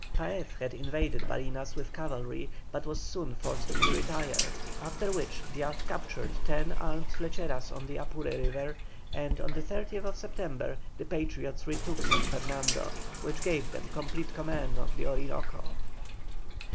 Paez had invaded Barinas with cavalry, but was soon forced to retire, after which Diaz captured ten armed flecheras on the Apure river, and on the 30th September the Patriots retook San Fernando, which gave them complete command of the Orinoco.